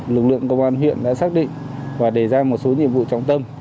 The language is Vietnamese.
lực lượng công an huyện đã xác định và đề ra một số nhiệm vụ trọng tâm